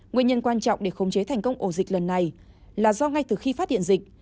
nguyên nhân quan trọng để khống chế thành công ổ dịch lần này là do ngay từ khi phát hiện dịch